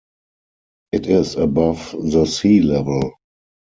It is above the sea level.